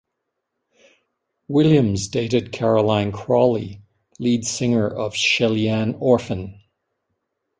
Williams dated Caroline Crawley, lead singer of Shelleyan Orphan.